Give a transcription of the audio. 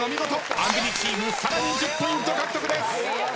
アンビリチームさらに１０ポイント獲得です。